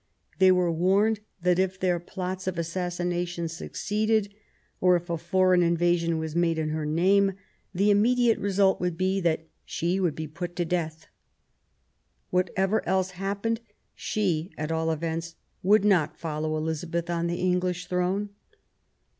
They were warned that if their plots of assassination succeeded, or if a foreign invasion were made in her name, the immediate result would be that she would be put to death. Whatever else happened, she, at all events, would not follow Elizabeth on the English throne.